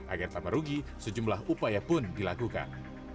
agar tak merugi sejumlah upaya pun dilakukan